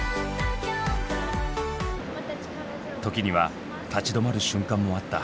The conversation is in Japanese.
時には立ち止まる瞬間もあった。